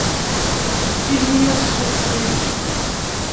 Silwi-yas ṣṣut, ttxil-k.